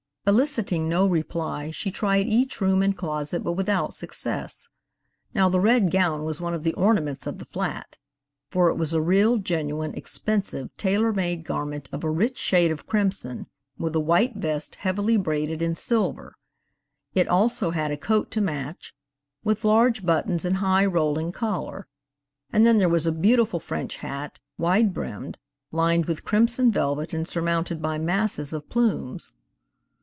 Eliciting no reply she tried each room and closet but without success. Now the red gown was one of the ornaments of the flat, for it was a real, genuine, expensive, tailor made garment of a rich shade of crimson, with a white vest heavily braided in silver. It also had a coat to match, with large buttons and high, rolling collar. And then there was a beautiful French hat, wide brimmed, lined with crimson velvet and surmounted by masses of plumes.